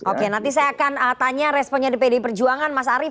oke nanti saya akan tanya responnya di pdi perjuangan mas arief